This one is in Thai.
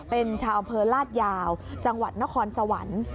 เป็นชาวอำเภอลาดยาวจังหวัดนครสวรรค์